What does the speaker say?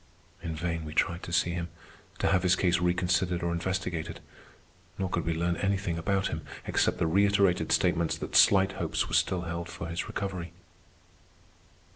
In vain we tried to see him, to have his case reconsidered or investigated. Nor could we learn anything about him except the reiterated statements that slight hopes were still held for his recovery.